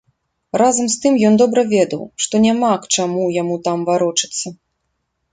Разам з тым ён добра ведаў, што няма к чаму яму там варочацца.